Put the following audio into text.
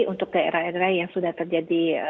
untuk daerah daerah yang sudah terjadi